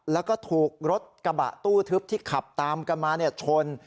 แล้วก็ถูกรถกระบะตู้ทึบที่ขับตามกันมาชน